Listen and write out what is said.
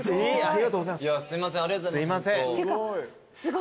すいませんありがとうございますホント。